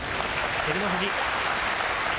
照ノ富士。